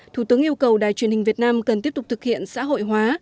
thủ tướng yêu cầu đài truyền hình việt nam cần tiếp tục thực hiện xã hội hóa